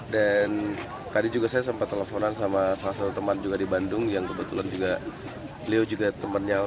dan tadi juga saya sempat teleponan sama salah satu teman juga di bandung yang kebetulan juga beliau juga temannya almarhum